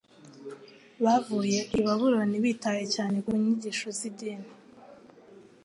Bavuye i Babuloni bitaye cyane ku nyigisho z'idini.